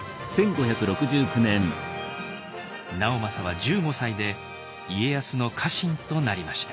直政は１５歳で家康の家臣となりました。